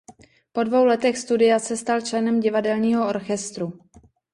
Po dvou letech studia se stal členem divadelního orchestru.